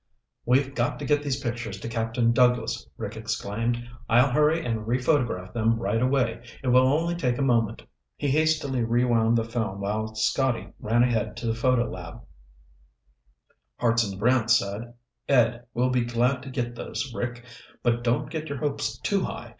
"We've got to get these pictures to Captain Douglas," Rick exclaimed. "I'll hurry and rephotograph them right away. It will only take a moment." He hastily rewound the film while Scotty ran ahead to the photo lab. Hartson Brant said, "Ed will be glad to get those, Rick. But don't get your hopes too high.